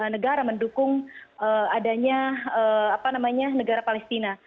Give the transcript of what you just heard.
negara mendukung adanya negara palestina